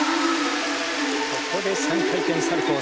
ここで３回転サルコー。